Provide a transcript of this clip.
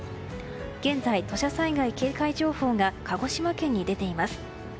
現在、土砂災害警戒情報が鹿児島県に出ています。